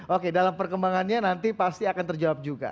oke dalam perkembangannya nanti pasti akan terjawab juga